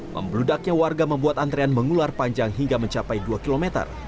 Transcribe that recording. membludaknya warga membuat antrean mengular panjang hingga mencapai dua km